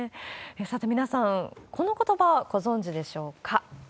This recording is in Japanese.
さて、皆さん、このことば、ご存じでしょうか？